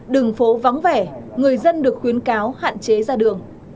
đường phố vắng vẻ người dân được khuyến cáo hạn chế ra đường